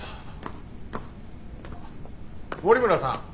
守村さん